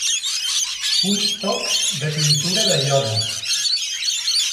Uns tocs de tintura de iode.